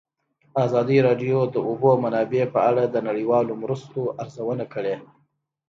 ازادي راډیو د د اوبو منابع په اړه د نړیوالو مرستو ارزونه کړې.